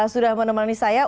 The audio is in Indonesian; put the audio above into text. sudah menemani saya